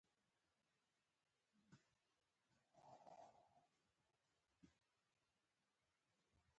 په معاصر ادب کې دغه لړۍ د عبدالخالق خلیق له اثر څخه شروع کېږي.